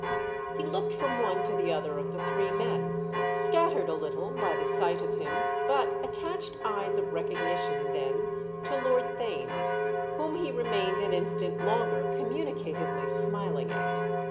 He looked from one to the other of the three men, scattered a little by the sight of him, but attached eyes of recognition then to Lord Theign's, whom he remained an instant longer communicatively smiling at.